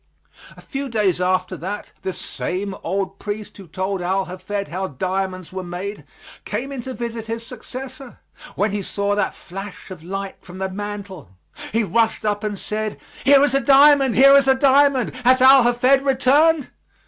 A few days after that, this same old priest who told Al Hafed how diamonds were made, came in to visit his successor, when he saw that flash of light from the mantel. He rushed up and said, "Here is a diamond here is a diamond! Has Al Hafed returned?"